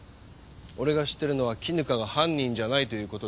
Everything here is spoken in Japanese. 俺が知ってるのは絹香が犯人じゃないという事だけです。